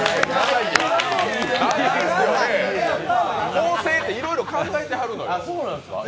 構成っていろいろ、考えてはるのよ。